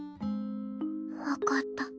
分かった。